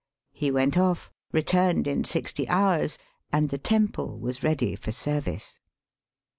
He went oflf, returned in sixty hours, and the temple was ready for service.